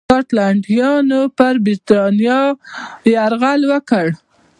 سکاټلنډیانو پر برېټانیا یرغل وکړ.